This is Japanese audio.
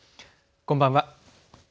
こんばんは。